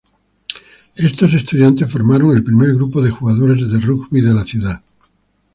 Estos estudiantes formaron el primer grupo de jugadores de Rugby de la ciudad.